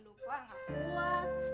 lupa enggak buat